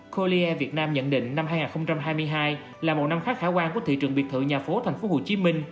coli air việt nam nhận định năm hai nghìn hai mươi hai là một năm khác khả quan của thị trường biệt thự nhà phố tp hcm